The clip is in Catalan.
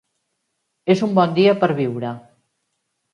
És un bon dia per viure.